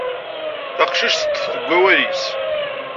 Taqcict teṭṭef deg wawal-is.